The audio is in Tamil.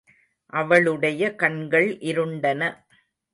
அவளுடைய கண்கள் இருண்டன.